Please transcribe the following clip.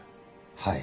はい。